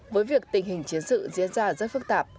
với việc tình hình chiến sự diễn ra rất phức tạp